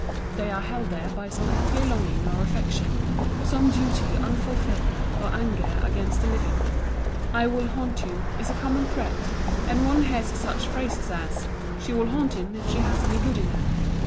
They are held there by some earthly longing or affection, or some duty unfulfilled, or anger against the living. "I will haunt you," is a common threat; and one hears such phrases as, "She will haunt him, if she has any good in her."